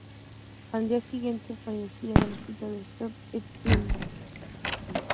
Al día siguiente, fallecía en el hospital de Saint-Étienne.